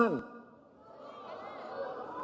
jangan kita ini terbiasa